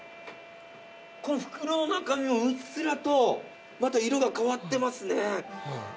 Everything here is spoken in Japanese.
この袋の中身もうっすらとまた色が変わってますね。